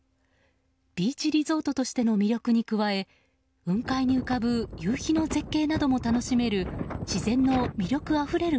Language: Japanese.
ビーチリゾートとしての魅力に加え雲海に浮かぶ夕日の絶景なども楽しめる自然の魅力あふれる